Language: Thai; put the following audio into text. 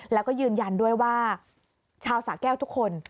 แล้วก็ยืนยันด้วยว่าชาวสาแก้วทุกคน